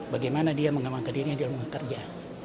bagaimana dia mengamankan dirinya di rumah kerja